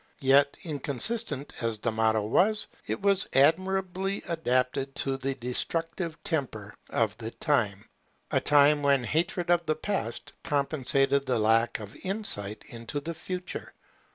Yet inconsistent as the motto was, it was admirably adapted to the destructive temper of the time; a time when hatred of the Past compensated the lack of insight into the Future.